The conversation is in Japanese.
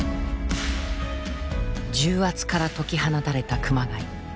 重圧から解き放たれた熊谷。